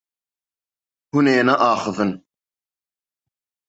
Hûn ê neaxivin.